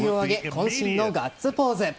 渾身のガッツポーズ。